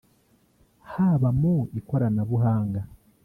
haba mu ikoranabuhanga